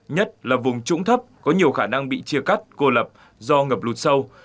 nhất là vùng trũng thấp có nhiều khả năng bị chia cắt cô lập do ngập lụt sâu